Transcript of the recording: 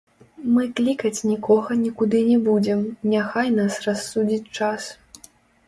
Мы клікаць нікога нікуды не будзем, няхай нас рассудзіць час.